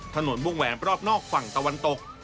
วงแหวนรอบนอกฝั่งตะวันตก